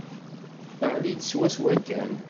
Teɣli-d swaswa kan.